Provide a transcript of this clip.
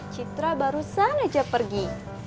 citra barusan aja pergi